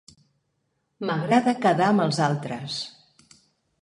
M'agrada quedar amb els altres.